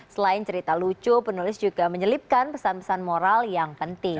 selain cerita lucu penulis juga menyelipkan pesan pesan moral yang penting